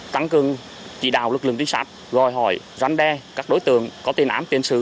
tăng cường chỉ đạo lực lượng tuyến sát gọi hỏi rắn đe các đối tượng có tiền ám tiền sự